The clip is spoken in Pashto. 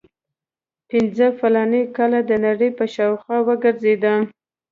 پنځه فلاني کاله د نړۍ په شاوخوا وګرځېدم.